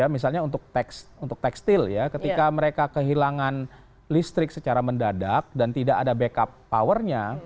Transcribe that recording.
misalnya untuk tekstil ya ketika mereka kehilangan listrik secara mendadak dan tidak ada backup powernya